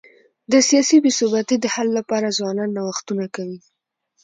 د سیاسي بي ثباتی د حل لپاره ځوانان نوښتونه کوي.